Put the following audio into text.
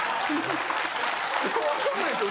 わかんないんすよ。